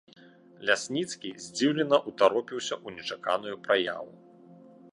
Лясніцкі здзіўлена ўтаропіўся ў нечаканую праяву.